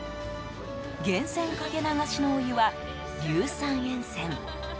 源泉かけ流しのお湯は硫酸塩泉。